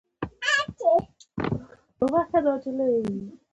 پاکستان د هند سره لنډه جګړه وکړله